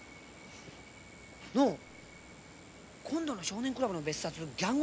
のう今度の「少年クラブ」の別冊ギャング物にせんか？